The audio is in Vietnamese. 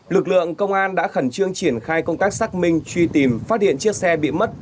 lực lượng công an đã khẩn trương triển khai công tác xác minh truy tìm phát điện chiếc xe bị mất